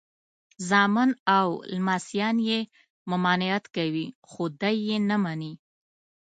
زامن او لمسیان یې ممانعت کوي خو دی یې نه مني.